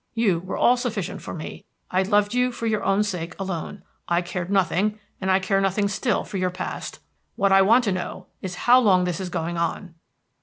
You were all sufficient for me; I loved you for your own sake alone; I cared nothing, and I care nothing still for your past. What I want to know is, how long this is going on?"